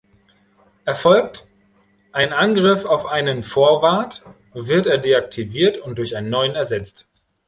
Erfolgt ein Angriff auf einen Forward, wird er deaktiviert und durch einen neuen ersetzt.